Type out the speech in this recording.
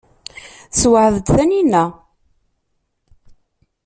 Tessewɛed-d Taninna.